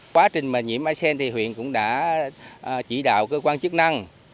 quá trình mà nhiễm a sen thì huyện cũng đã chỉ đạo cơ quan chức năng